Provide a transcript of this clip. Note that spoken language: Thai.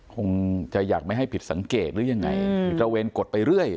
คงจะอยากไม่ให้ผิดสังเกตหรือยังไงตระเวนกดไปเรื่อย